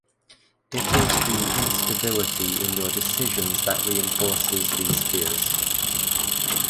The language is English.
It is the instability in your decisions that reinforces theses fears.